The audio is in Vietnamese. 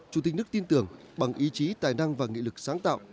chủ tịch nước tin tưởng bằng ý chí tài năng và nghị lực sáng tạo